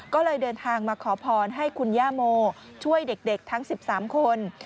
ก็เลยเดินทางมาขอพรให้คุณย่าโมช่วยเด็กทั้ง๑๓คน